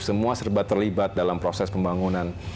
semua serba terlibat dalam proses pembangunan